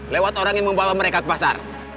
lewat orang yang membawa mereka ke pasar